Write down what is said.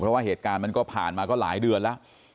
เพราะว่าเหตุการณ์มันก็ผ่านมาก็หลายเดือนแล้ว